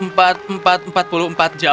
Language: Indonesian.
empat empat empat empat puluh empat jam